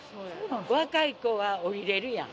若い子は降りれるやん。